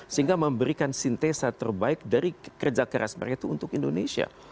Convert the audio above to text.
sehingga memberikan sintesa terbaik dari kerja keras mereka itu untuk indonesia